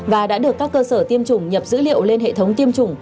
và đã được các cơ sở tiêm chủng nhập dữ liệu lên hệ thống tiêm chủng